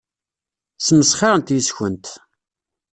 Ssmesxirent yes-kent.